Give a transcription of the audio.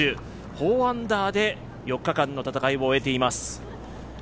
４アンダーで４日間の戦いを終えています。